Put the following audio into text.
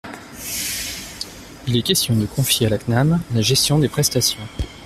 Il est question de confier à la CNAM la gestion des prestations.